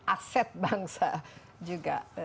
aset bangsa juga